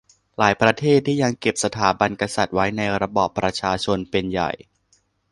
หลายประเทศที่ยังเก็บสถาบันกษัตริย์ไว้ในระบอบประชาชนเป็นใหญ่